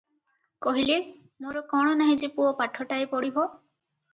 କହିଲେ, "ମୋର କଣ ନାହିଁ ଯେ ପୁଅ ପାଠଟାଏ ପଢ଼ିବ?